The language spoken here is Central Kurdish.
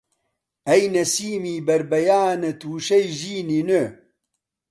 ئەی نەسیمی بەربەیانانت وشەی ژینی نوێ!